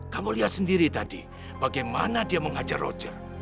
kamu lihat sendiri tadi bagaimana dia mengajar roger